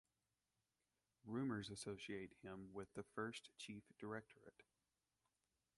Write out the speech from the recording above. Rumors associate him with the First Chief Directorate.